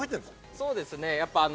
そうですね。